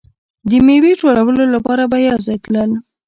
د میوې ټولولو لپاره به یو ځای تلل.